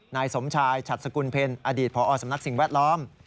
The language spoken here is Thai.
นายสมชายฉัดสกุลเพลอดีตผอสำนักสิ่งแวดล้อม